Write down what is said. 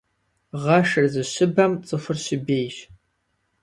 Гъэшыр зыщыбэм цӀыхур щыбейщ.